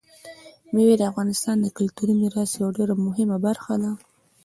مېوې د افغانستان د کلتوري میراث یوه ډېره مهمه برخه ده.